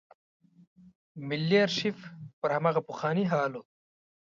ملي آرشیف پر هماغه پخواني حال و.